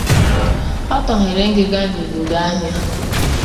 Ọ tọghere ngịga n'igbudu ahịa